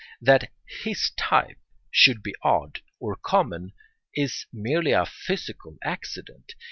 That his type should be odd or common is merely a physical accident.